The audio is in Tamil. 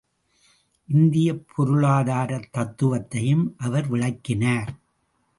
இந்தியப் பொருளாதாரத் தத்துவத்தையும் அவர் விளக்கினார்.